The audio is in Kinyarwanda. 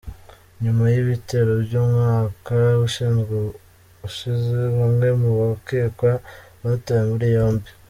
Nyuma y'ibitero by'umwaka ushize, bamwe mu bakekwa batawe muri yombi.